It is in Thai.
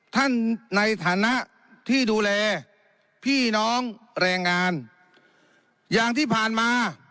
ท่านในฐานะที่ดูแลพี่น้องแรงงานอย่างที่ผ่านมา